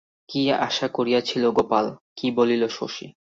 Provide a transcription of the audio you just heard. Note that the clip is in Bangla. কী আশা করিয়াছিল গোপাল, কী বলিল শশী!